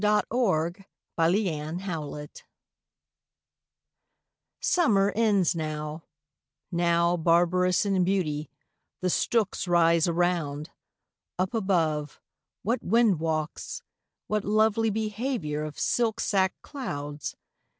14 Hurrahing in Harvest SUMMER ends now; now, barbarous in beauty, the stooks rise Around; up above, what wind walks! what lovely behaviour Of silk sack clouds!